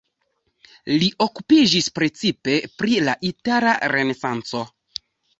Li okupiĝis precipe pri la itala renesanco.